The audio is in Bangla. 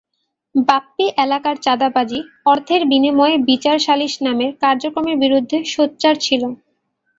বাপ্পী এলাকার চাঁদাবাজি, অর্থের বিনিময়ে বিচার-সালিস নামের কার্যক্রমের বিরুদ্ধে সোচ্চার ছিল।